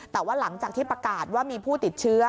แต่ว่าหลังจากที่ประกาศว่ามีผู้ติดเชื้อ